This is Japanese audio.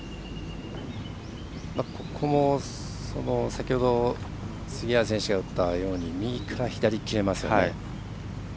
先ほど杉原選手が打ったように右から左に切れますよね。